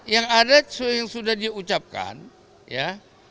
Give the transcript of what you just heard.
yang ada yang sudah diucapkan ya